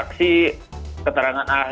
maksud saya butuh keterangan saksa